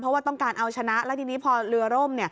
เพราะว่าต้องการเอาชนะแล้วทีนี้พอเรือร่ม